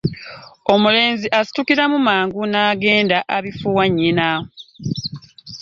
Omulenzi asitukiramu mangu n’agenda abifuuwa nnyina.